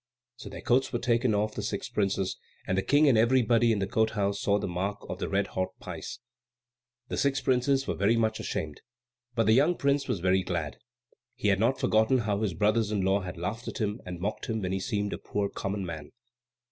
So their coats were taken off the six princes, and the King and everybody in the court house saw the mark of the red hot pice. The six princes were very much ashamed, but the young prince was very glad. He had not forgotten how his brothers in law had laughed at him and mocked him when he seemed a poor, common man.